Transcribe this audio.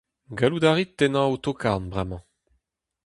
Gallout a rit tennañ ho tokarn bremañ.